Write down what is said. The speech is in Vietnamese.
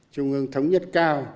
trung ương thống nhất cao